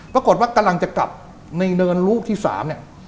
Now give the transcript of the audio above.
ปรากฏว่ากำลังจะกลับในเนินลูกที่๓เนี่ย